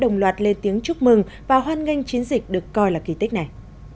đồng loạt lên tiếng chúc mừng và hoan nghênh chiến dịch được coi là kỳ tích này